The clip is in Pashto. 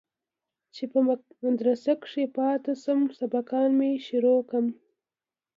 چې په مدرسه كښې پاته سم سبقان مې شروع كم.